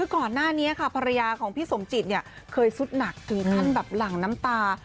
ก่อนหน้านี้ค่ะภรรยาของพี่สมจิตเนี่ยเคยสุดหนักถึงขั้นแบบหลั่งน้ำตา